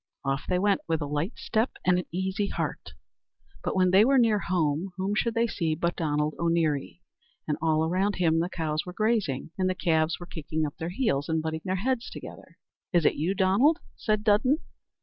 Off they went, with a light step and an easy heart, but when they were near home, whom should they see but Donald O'Neary, and all around him the cows were grazing, and the calves were kicking up their heels and butting their heads together. "Is it you, Donald?" said Dudden.